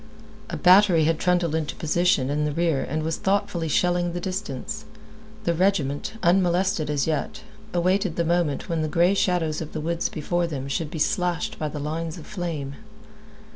A battery had trundled into position in the rear and was thoughtfully shelling the distance. The regiment, unmolested as yet, awaited the moment when the gray shadows of the woods before them should be slashed by the lines of flame.